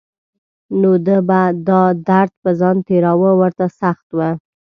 نو ده به دا درد په ځان تېراوه ورته سخت و.